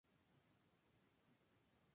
Las orugas son verdes y con poco vello.